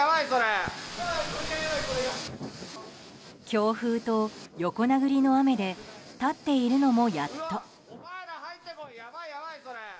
強風と横殴りの雨で立っているのもやっと。